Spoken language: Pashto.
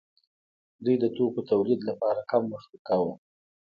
دوی د توکو تولید لپاره کم وخت ورکاوه.